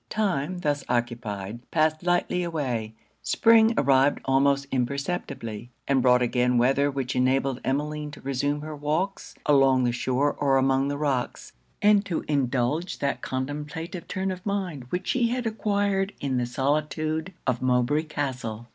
Time, thus occupied, passed lightly away; Spring arrived almost imperceptibly, and brought again weather which enabled Emmeline to reassume her walks along the shore or among the rocks, and to indulge that contemplative turn of mind which she had acquired in the solitude of Mowbray Castle.